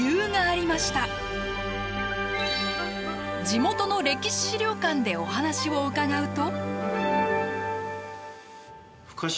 地元の歴史資料館でお話を伺うと。